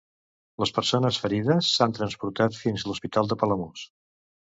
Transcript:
Les persones ferides s'han transportat fins l'Hospital de Palamós.